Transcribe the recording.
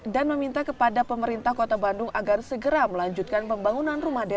dan meminta kepada pemerintah kota bandung agar segera melanjutkan pembangunan rumah deret